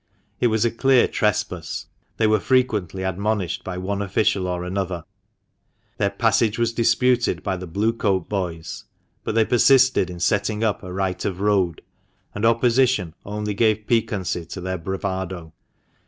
It was a clear trespass. They were frequently admonished by one official or another ; their passage was disputed by the Blue coat boys ; but they persisted in setting up a right of road, and opposition only gave piquancy to their bravado.